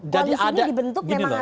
jadi ada gini loh